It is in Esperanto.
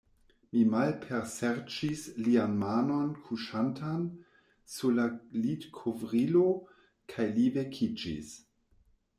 Mi palpeserĉis lian manon kuŝantan sur la litkovrilo, kaj li vekiĝis.